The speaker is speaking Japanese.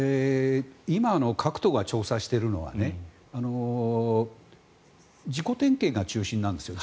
今の、各党が調査しているのは自己点検が中心なんですよ。